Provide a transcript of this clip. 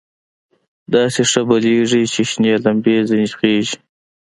داسې ښه بلېږي چې شنې لمبې ځنې خېژي.